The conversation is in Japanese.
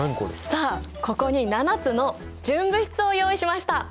さあここに７つの純物質を用意しました。